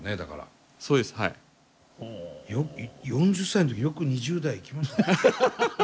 ４０歳の時よく２０代いきましたね。